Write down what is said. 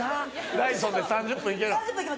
ダイソンで３０分行ける？